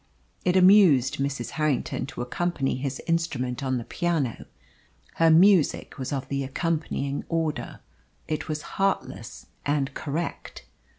It amused Mrs. Harrington to accompany his instrument on the piano. Her music was of the accompanying order. It was heartless and correct.